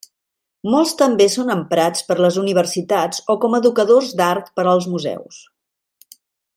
Molts també són emprats per les universitats o com a educadors d'art per als museus.